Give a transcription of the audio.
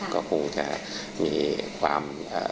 ก็คงจะมีความ